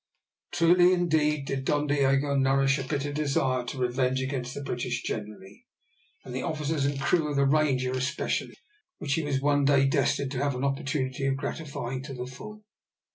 Truly, indeed, did Don Diogo nourish a bitter desire for revenge against the British generally, and the officers and the crew of the Ranger especially, which he was one day destined to have an opportunity of gratifying to the full.